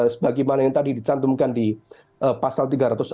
sebagaimana yang tadi dicantumkan di pasal tiga ratus empat